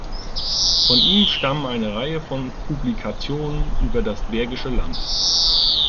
Von ihm stammen eine Reihe von Publikationen über das Bergische Land.